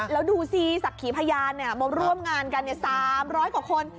แล้วดูสิศักดิ์ขีพญานเนี่ยมองร่วมงานกัน๓ร้อยกว่าคน